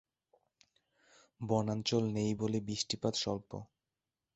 বনাঞ্চল নেই বলে বৃষ্টিপাত স্বল্প।